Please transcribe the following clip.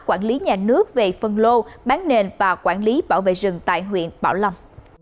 quản lý nhà nước về phân lô bán nền và quản lý bảo vệ rừng tại huyện bảo lâm